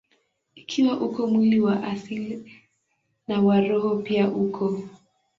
Ikiwa uko mwili wa asili, na wa roho pia uko.